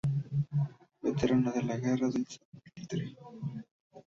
Veterano de la Guerra del Salitre.